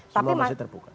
semua masih terbuka